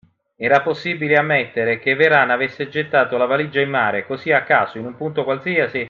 Era possibile ammettere che Vehrehan avesse gettato la valigia in mare, cosí a caso, in un punto qualsiasi?